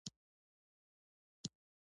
قوم پالنه اداره خرابوي